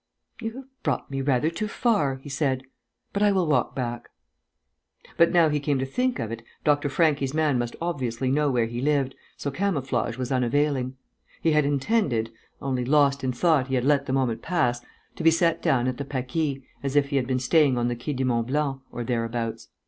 "You have brought me rather too far," he said. "But I will walk back." But, now he came to think of it, Dr. Franchi's man must obviously know where he lived, so camouflage was unavailing. He had intended (only, lost in thought, he had let the moment pass) to be set down at the Paquis, as if he had been staying on the Quai du Mont Blanc or thereabouts.